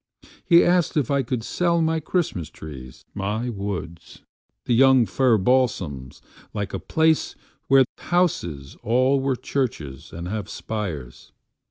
He asked if I would sell my Christmas trees; My woods—the young fir balsams like a placeWhere houses all are churches and have spires.